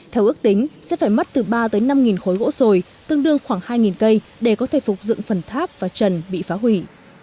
theo ước tính sẽ phải mất từ ba tới năm khối gỗ sồi tương đương khoảng hai cây để có thể phục dựng phần tháp và trần bị phá hủy